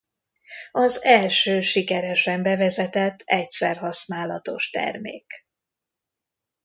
Az első sikeresen bevezetett egyszer használatos termék.